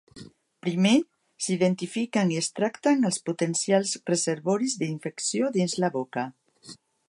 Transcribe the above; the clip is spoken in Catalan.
Primer, s'identifiquen i es tracten els potencials reservoris d'infecció dins la boca.